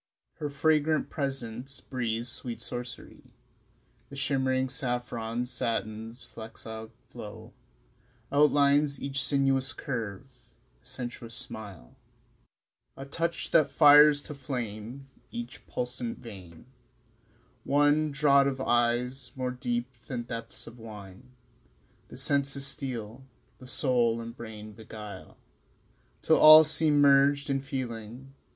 Her fragrant presence breathes sweet sorcery; The shimmering saffron satin's flexile flow Outlines each sinuous curve; a sensuous smile, A touch that fires to flame each pulsant vein One draught of eyes more deep than depths of wine The senses steal, the soul and brain beguile Till all seem merged in feeling